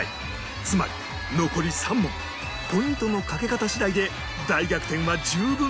つまり残り３問ポイントの賭け方次第で大逆転は十分可能